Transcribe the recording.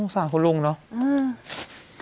สาขาลุงเนอะ